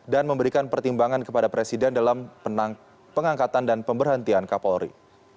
dan memberikan pertimbangan kepada presiden dalam pengangkatan dan pemberhentian kapolri